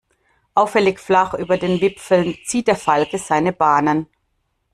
Auffällig flach über den Wipfeln zieht der Falke seine Bahnen.